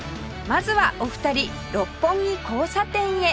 まずはお二人六本木交差点へ